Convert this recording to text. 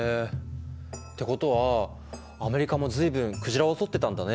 ってことはアメリカも随分鯨を取ってたんだね。